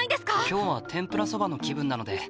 今日は天ぷらそばの気分なので。